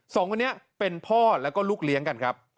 สองคนนี้เป็นพ่อแล้วก็ลูกเลี้ยงกันครับ